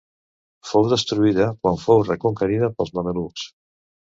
Fou destruïda quan fou reconquerida pels mamelucs.